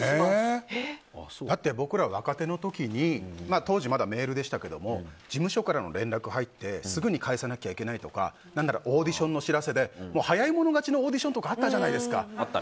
だって僕ら若手の時に当時まだメールでしたけど事務所からの連絡が入ってすぐに返さなきゃいけないとかオーディションの知らせで早い者勝ちのオーディションとかあったじゃないですか。